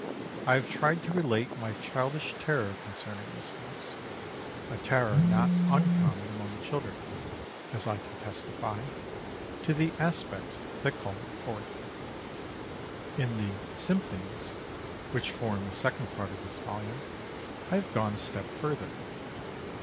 I have tried to relate my childish terror concerning this house a terror not uncommon among children, as I can testify to the aspects that called it forth. In the "Symphonies," which form the second part of this volume, I have gone a step further.